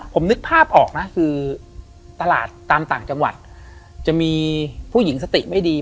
ผมนึกภาพออกนะคือตลาดตามต่างจังหวัดจะมีผู้หญิงสติไม่ดี